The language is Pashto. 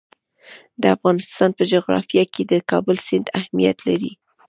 د افغانستان په جغرافیه کې د کابل سیند اهمیت لري.